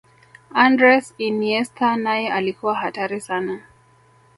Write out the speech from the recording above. andres iniesta naye alikuwa hatari sana